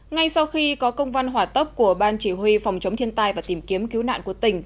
ngay sau khi có công văn hỏa tấp của ban chỉ huy phòng chống thiên tai và tìm kiếm cứu nạn của tỉnh